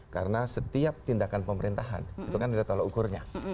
karena setiap tindakan pemerintahan itu kan ada tolak ukurnya